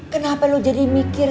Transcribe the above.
kenapa lu jadi mikir